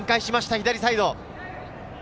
左サイド。